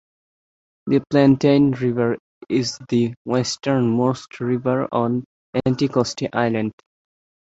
The Plantain River is the westernmost river on Anticosti Island.